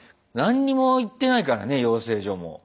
何にも行ってないからね養成所も。